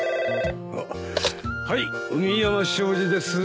☎はい海山商事です。